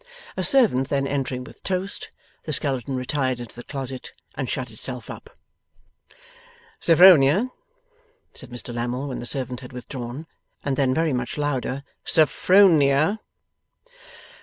A servant then entering with toast, the skeleton retired into the closet, and shut itself up. 'Sophronia,' said Mr Lammle, when the servant had withdrawn. And then, very much louder: 'Sophronia!